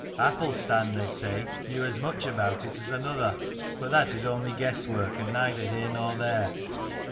Athelstan, they say, knew as much about it as another: but that is only guess work, and neither here nor there.